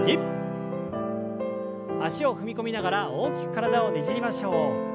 脚を踏み込みながら大きく体をねじりましょう。